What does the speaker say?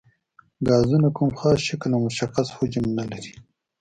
ګازونه کوم خاص شکل او مشخص حجم نه لري.